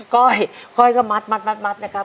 ก้อยก้อยก็มัดนะครับ